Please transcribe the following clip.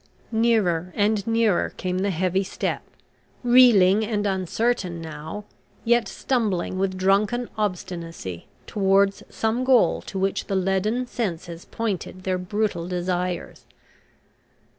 Nearer and nearer came the heavy step, reeling and uncertain now, yet stumbling with drunken obstinacy towards some goal to which the leaden senses pointed their brutal desires.